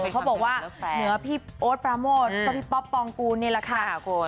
เขาบอกว่าเหนือพี่โอ๊ตปราโมทก็พี่ป๊อปปองกูลนี่แหละค่ะคุณ